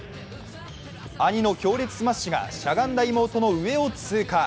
兄の強烈スマッシュがしゃがんだ妹の上を通過。